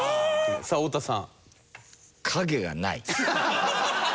さあ太田さん。